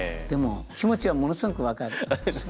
でも気持ちはものすごく分かる。